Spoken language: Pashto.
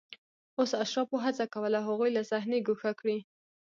اوس اشرافو هڅه کوله هغوی له صحنې ګوښه کړي